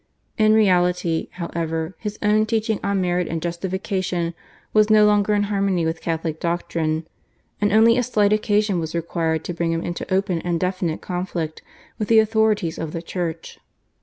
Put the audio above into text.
In reality, however, his own teaching on merit and justification was no longer in harmony with Catholic doctrine, and only a slight occasion was required to bring him into open and definite conflict with the authorities of the Church.